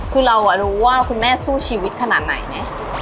คือเรารู้ว่าคุณแม่สู้ชีวิตขนาดไหนไหม